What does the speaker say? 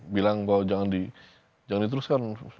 bilang jangan di jangan dituruskan